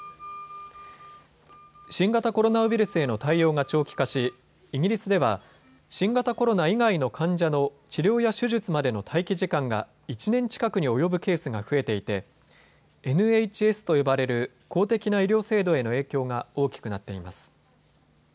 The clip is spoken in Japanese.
新型コロナウイルスへの対応が長期化しイギリスでは新型コロナ以外の患者の治療や手術までの待機時間が１年近くに及ぶケースが増えていてＮＨＳと呼ばれる公的な医療制度への影響が大きくなっています。